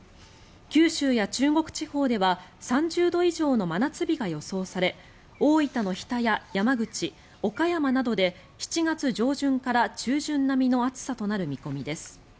九州や中国地方では３０度以上の真夏日が予想され大分の日田や山口、岡山などで７月上旬から中旬並みの暑さとなる見込みです。